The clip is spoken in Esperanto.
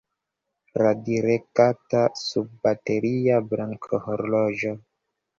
Radiregata sunbateria brakhorloĝo.